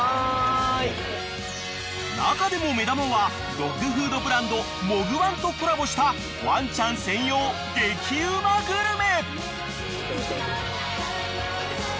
［中でも目玉はドッグフードブランドモグワンとコラボしたワンちゃん専用激うまグルメ］